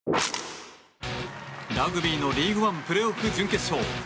ラグビーのリーグワンプレーオフ準決勝。